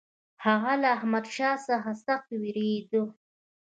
هغه له احمدشاه څخه سخت وېرېدی.